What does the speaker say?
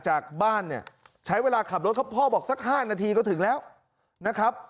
จากบ้านเนี่ยใช้เวลาขับรถครับพ่อบอกสัก๕นาทีก็ถึงแล้วนะครับ